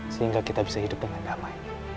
sehingga kita bisa hidup dengan damai